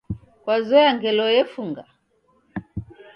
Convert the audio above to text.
Kwazoya ngelo yefunga?